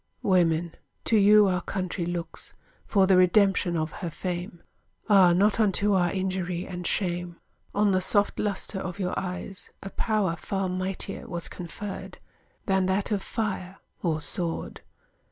Women, to you our country looks, For the redemption of her fame: Ah, not unto our injury and shame, On the soft lustre of your eyes A power far mightier was conferred Than that of fire or sword!